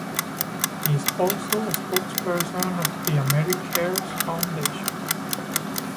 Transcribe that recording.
He is also a spokesperson of the AmeriCares Foundation.